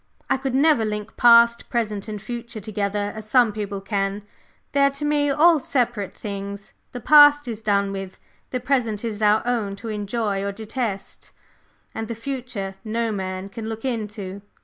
I could never link past, present and future together as some people can; they are to me all separate things. The past is done with, the present is our own to enjoy or to detest, and the future no man can look into."